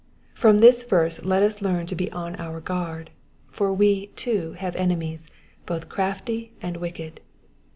Prom this verse let us learn to be on our guard, for we, too, have enemies both crafty and wicked.